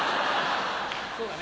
そうだね。